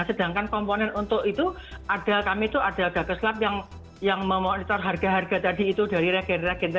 sedangkan komponen untuk itu ada kami itu ada gagas lab yang memonitor harga harga tadi itu dari regen regen